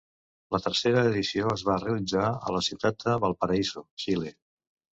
La tercera edició es va realitzar a la ciutat de Valparaíso, Xile.